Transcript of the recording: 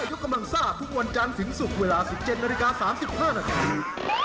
ได้ยกกำลังซ่าทุกวันจานสิงห์ศุกร์เวลา๑๗นาฬิกา๓๕นาที